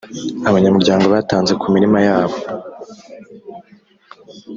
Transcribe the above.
Abanyamuryango batanze ku mirima yabo